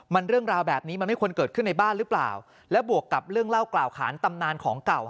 มันเรื่องราวแบบนี้มันไม่ควรเกิดขึ้นในบ้านหรือเปล่าและบวกกับเรื่องเล่ากล่าวขานตำนานของเก่า